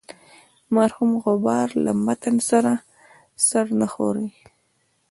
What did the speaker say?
د مرحوم غبار له متن سره سر نه خوري.